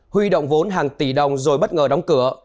huy động vốn hàng tỷ đồng rồi bất ngờ đóng cửa